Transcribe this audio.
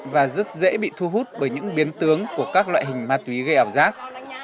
và rất dễ bị thu hút bởi những biến tướng của các loại hình ma túy gây ảo giác